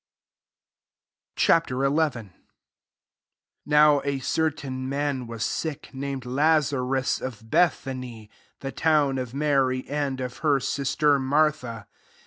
Ch. XI. I NOW a certain man was sick, named Lazarus, of Be'thany, the town of Manr and of her sister Martha.